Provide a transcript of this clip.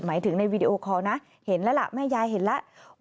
หมายถึงในวีดีโอคอลนะเห็นแล้วล่ะแม่ยายเห็นแล้ว